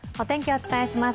お伝えします。